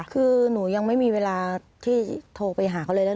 คือหนูยังไม่มีเวลาที่โทรไปหาเขาเลยนะ